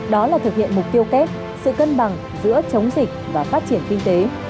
đó là thực hiện mục tiêu kép sự cân bằng giữa chống dịch và phát triển kinh tế